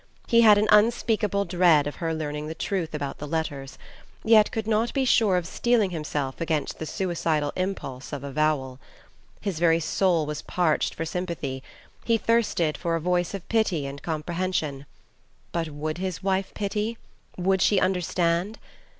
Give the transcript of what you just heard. He had an unspeakable dread of her learning the truth about the letters, yet could not be sure of steeling himself against the suicidal impulse of avowal. His very soul was parched for sympathy; he thirsted for a voice of pity and comprehension. But would his wife pity? Would she understand?